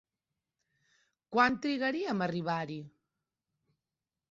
Quant trigaríem a arribar-hi?